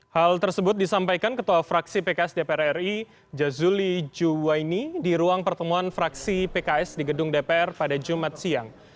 hal tersebut disampaikan ketua fraksi pks dpr ri jazuli juwaini di ruang pertemuan fraksi pks di gedung dpr pada jumat siang